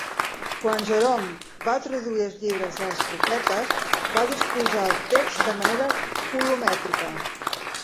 Quan Jerome va traduir els llibres dels profetes, va disposar el text de manera colomètrica.